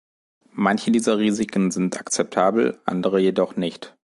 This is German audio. Manche dieser Risiken sind akzeptabel, andere jedoch nicht.